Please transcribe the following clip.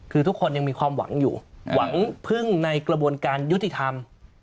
คือทุกคนยังมีความหวังอยู่หวังพึ่งในกระบวนการยุติธรรม